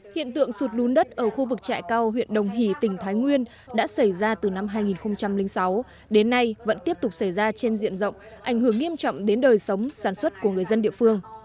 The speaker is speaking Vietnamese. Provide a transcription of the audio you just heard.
hiện tượng sụt lún đất ở khu vực trại cao huyện đồng hỷ tỉnh thái nguyên đã xảy ra từ năm hai nghìn sáu đến nay vẫn tiếp tục xảy ra trên diện rộng ảnh hưởng nghiêm trọng đến đời sống sản xuất của người dân địa phương